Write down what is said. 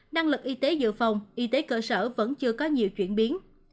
năng lực y tế dự phòng y tế cơ sở vẫn chưa có nhiều chuyển biến